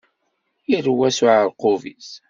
Yal wa s uɛerqub-is.